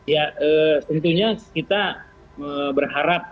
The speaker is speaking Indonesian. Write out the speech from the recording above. ya tentunya kita berharap